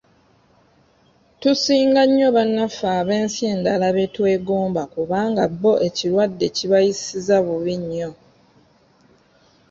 Tusinga nnyo bannaffe ab'ensi endala be twegomba kubanga bbo ekirwadde kibayisiza bubi nnyo.